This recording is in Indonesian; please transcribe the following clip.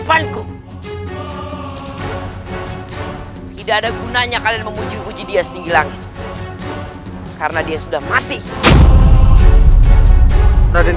kau tidak akan percaya begitu saja